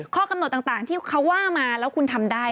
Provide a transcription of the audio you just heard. ข้อกำหนดต่างที่เขาว่ามาแล้วคุณทำได้